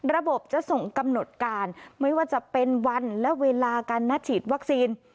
ระบบจะส่งกำหนดการไม่ว่าจะเป็นวันและเวลาการนัดฉีดวัคซีน